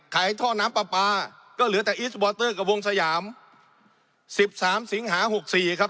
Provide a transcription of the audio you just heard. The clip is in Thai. ท่อน้ำปลาปลาก็เหลือแต่อีสบอเตอร์กับวงสยามสิบสามสิงหาหกสี่ครับ